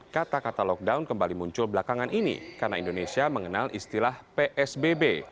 kata kata lockdown kembali muncul belakangan ini karena indonesia mengenal istilah psbb